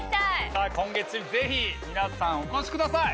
さあ今月是非皆さんお越しください。